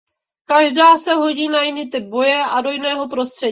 Každá se hodí na jiný typ boje a do jiného prostředí.